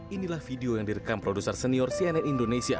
inilah video yang direkam produser senior cnn indonesia